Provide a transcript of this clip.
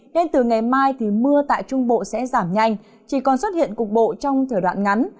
nên từ ngày mai thì mưa tại trung bộ sẽ giảm nhanh chỉ còn xuất hiện cục bộ trong thời đoạn ngắn